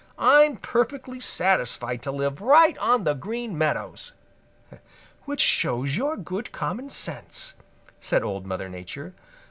I'm perfectly satisfied to live right on the Green Meadows." "Which shows your good common sense," said Old Mother Nature.